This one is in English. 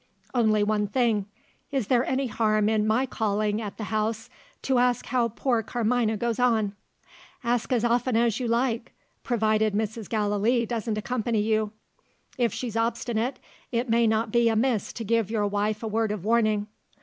"Only one thing. Is there any harm in my calling at the house, to ask how poor Carmina goes on?" "Ask as often as you like provided Mrs. Gallilee doesn't accompany you. If she's obstinate, it may not be amiss to give your wife a word of warning.